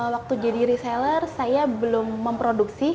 waktu jadi reseller saya belum memproduksi